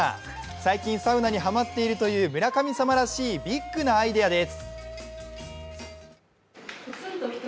最近サウナにハマっているという村神様らしいビッグなアイデアです。